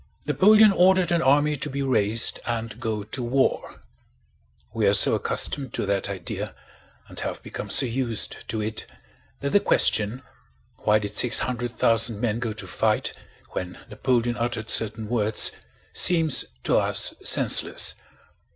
Napoleon ordered an army to be raised and go to war. We are so accustomed to that idea and have become so used to it that the question: why did six hundred thousand men go to fight when Napoleon uttered certain words, seems to us senseless.